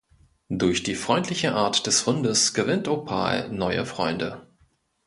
Durch die freundliche Art des Hundes gewinnt Opal neue Freunde.